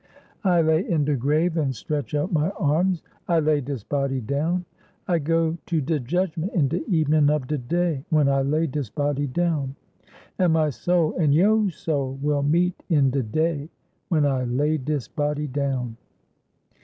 I lay in de grave an' stretch out my arms; I lay dis body down. I go to de judgment in de evenin' of de day When I lay dis body down. An' my soul an' yo' soul will meet in de day When I lay dis body down."